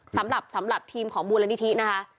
สำหรับทีมของมูลนิธินะครับ